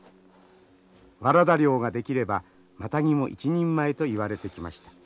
ワラダ猟ができればマタギも一人前といわれてきました。